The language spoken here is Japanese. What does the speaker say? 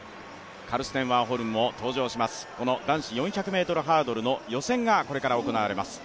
カルステン・ワーホルムも登場します、この男子４００ｍハードルの予選がこれから行われます。